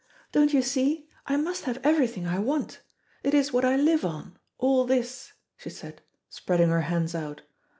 Don't you see I must have everything I want. It is what I live on, all this," she said, spreading her hands out.